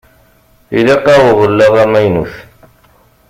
Ilaq-aɣ uɣella amaynut.